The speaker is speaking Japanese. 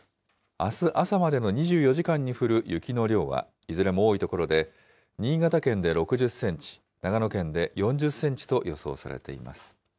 あす朝までの２４時間に降る雪の量はいずれも多い所で新潟県で６０センチ、長野県で４０センチと予想されています。